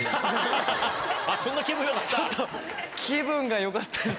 そんな気分よかった？